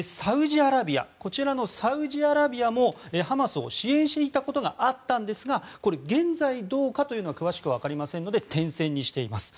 こちらのサウジアラビアもハマスを支援していたことがあったんですがこれ、現在どうかというのは詳しくはわかりませんので点線にしています。